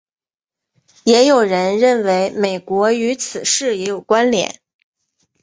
也有人认为美国与此事也有关连。